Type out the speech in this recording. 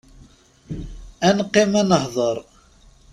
Ad neqqim ad nehder!